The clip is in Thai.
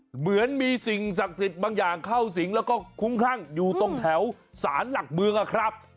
เหมือนมีสิ่งศักดิ์สิทธิ์บางอย่างเข้าสิงแล้วก็คุ้มคลั่งอยู่ตรงแถวสารหลักเมืองนะครับ